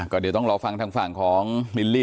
ก็เดี๋ยวต้องรอฟังทางฝั่งของลิลลี่